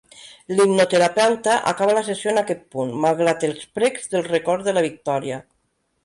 L'hipnoterapeuta acaba la sessió en aquest punt, malgrat els precs dels records de la Victoria.